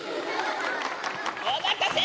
お待たせ！